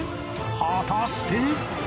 果たして